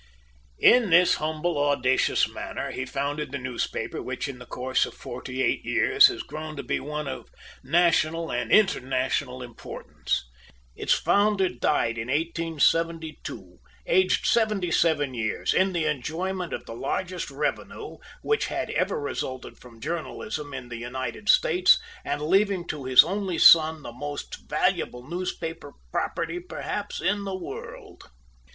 In this humble, audacious manner was founded the newspaper which, in the course of forty eight years, has grown to be one of national and international importance. Its founder died in 1872, aged seventy seven years, in the enjoyment of the largest revenue which had ever resulted from journalism in the United States, and leaving to his only son the most valuable newspaper property, perhaps, in the world.